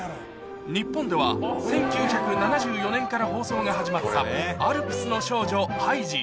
日本では１９７４年から放送が始まった、アルプスの少女ハイジ。